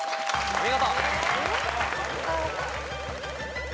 お見事。